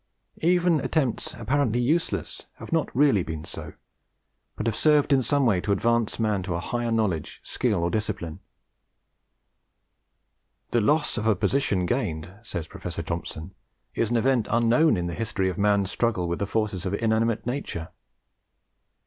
Even attempts apparently useless have not really been so, but have served in some way to advance man to higher knowledge, skill, or discipline. "The loss of a position gained," says Professor Thomson, "is an event unknown in the history of man's struggle with the forces of inanimate nature."